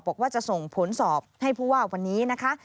บอกว่าจะส่งผลสอบให้ผู้ว่าวันนี้นะคะ